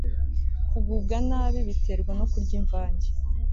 Kugubwa nabi biterwa no kurya imvange